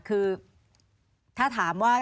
คือถ้าถามว่า